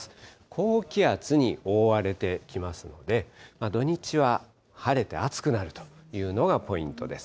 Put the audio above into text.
高気圧に覆われてきますので、土日は晴れて暑くなるというのがポイントです。